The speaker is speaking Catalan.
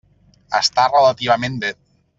Està relativament bé.